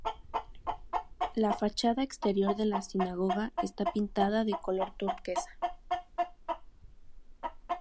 La fachada exterior de la sinagoga está pintada de color turquesa.